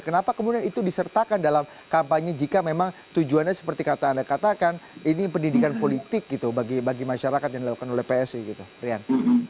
kenapa kemudian itu disertakan dalam kampanye jika memang tujuannya seperti kata anda katakan ini pendidikan politik gitu bagi masyarakat yang dilakukan oleh psi gitu rian